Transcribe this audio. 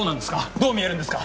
どう見えるんですか？